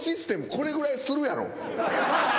これぐらいするやろ。